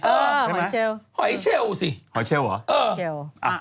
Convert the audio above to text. เออหอยเชลว์หอยเชลว์สิหอยเชลว์เหรอเออ